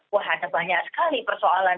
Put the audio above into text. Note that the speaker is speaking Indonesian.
wah ada banyak sekali persoalan